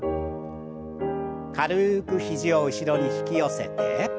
軽く肘を後ろに引き寄せて。